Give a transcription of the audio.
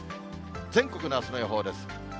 全国のあすの予報です。